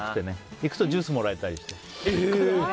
行くとジュースもらえたりして。